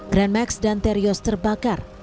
grand max dan terios terbakar